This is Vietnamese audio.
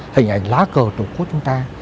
hình ảnh lá cờ tổng quốc chúng ta